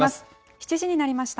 ７時になりました。